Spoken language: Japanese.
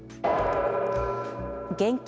現金